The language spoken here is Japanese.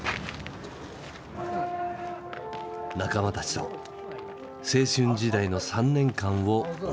仲間たちと青春時代の３年間をおう歌した。